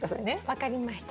分かりました。